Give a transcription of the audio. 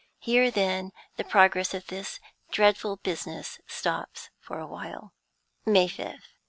Here, then, the progress of this dreadful business stops for a while. May 5th.